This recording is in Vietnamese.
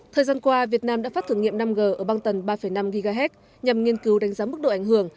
thời gian qua việt nam đã phát thử nghiệm năm g ở băng tần ba năm ghz nhằm nghiên cứu đánh giá mức độ ảnh hưởng